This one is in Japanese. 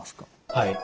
はい。